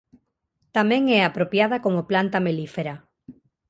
Tamén é apropiada como planta melífera.